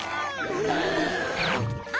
あ！